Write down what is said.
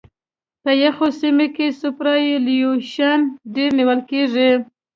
په یخو سیمو کې سوپرایلیویشن ډېر نیول کیږي